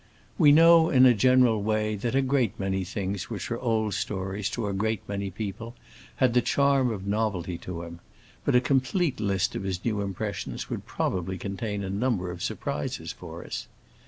We know in a general way that a great many things which were old stories to a great many people had the charm of novelty to him, but a complete list of his new impressions would probably contain a number of surprises for us.